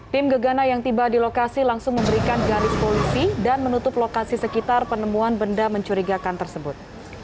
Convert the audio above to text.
tim gegana yang tiba di lokasi langsung memberikan garis polisi dan menutup lokasi sekitar penemuan benda mencurigakan tersebut